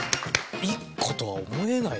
１個とは思えない。